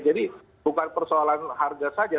jadi bukan persoalan harga saja